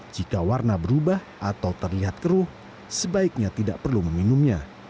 jika warna berubah atau terlihat keruh sebaiknya tidak perlu meminumnya